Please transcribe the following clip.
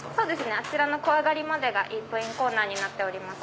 あちらの小上がりまでがイートインコーナーになっております。